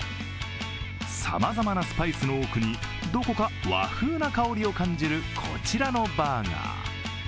さまざまなスパイスの奥に、どこか和風な香りを感じるこちらのバーガー。